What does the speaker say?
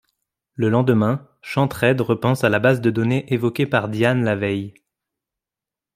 Le lendemain, Chanteraide repense à la base de données évoquée par Diane la veille.